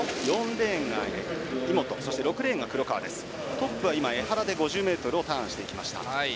トップは江原で５０ｍをターンしていきました。